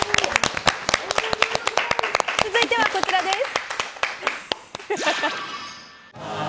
続いては、こちらです。